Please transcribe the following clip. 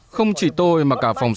không chỉ tôi mà cả phòng báo